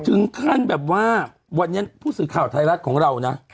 ถึงขั้นแบบว่าวันนี้ผู้สื่อข่าวไทยรัฐของเรานะ